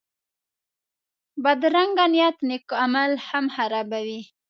بدرنګه نیت نېک عمل هم خرابوي